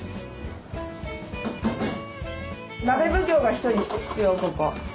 鍋奉行が１人必要ここ。